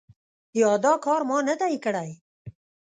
یا دا کار ما نه دی کړی ؟